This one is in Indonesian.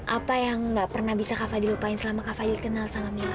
apa yang gak pernah bisa kak fadil lupain selama kak fadil kenal sama mila